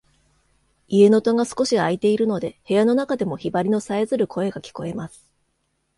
家の戸が少し開いているので、部屋の中でもヒバリのさえずる声が聞こえます。